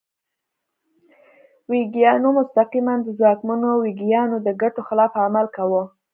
ویګیانو مستقیماً د ځواکمنو ویګیانو د ګټو خلاف عمل کاوه.